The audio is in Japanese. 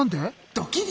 ドキリ。